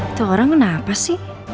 itu orang kenapa sih